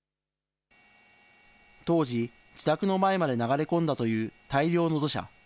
当時、自宅の前まで流れ込んだという大量の土砂。